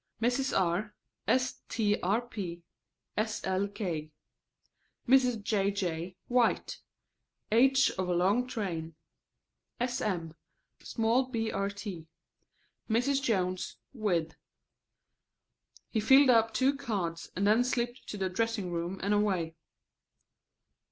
"Mrs. R. strp. slk." "Mrs. J. J. white; h. of a long train." "Sm. Small brt. Mrs. Jones, wid." He filled up two cards and then slipped to the dressing room and away.